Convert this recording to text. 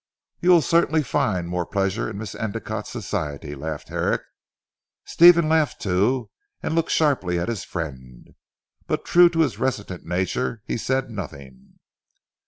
"You will certainly find more pleasure in Miss Endicotte's society!" laughed Herrick. Stephen laughed too and looked sharply at his friend. But true to his reticent nature he said nothing.